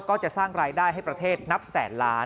ก็จะสร้างรายได้ให้ประเทศนับแสนล้าน